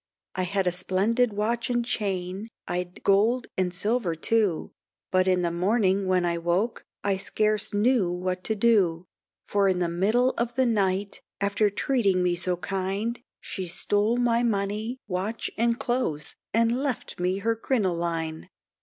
I had a splendid watch and chain, I'd gold and silver, too, But in the morning when I woke I scarce knew what to do, For in the middle of the night, after treating me so kind, She stole my money, watch and clothes, and left me her crinoline.